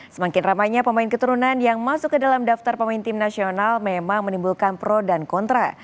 semakin ramainya pemain keturunan yang masuk ke dalam daftar pemain tim nasional memang menimbulkan pro dan kontra